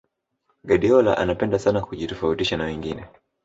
guardiola anapenda sana kujitofautisha na wengine